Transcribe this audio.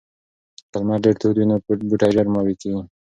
که لمر ډیر تود وي نو بوټي ژر مړاوي کیږي.